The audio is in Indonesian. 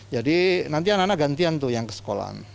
jadi nanti anak anak gantian tuh yang ke sekolah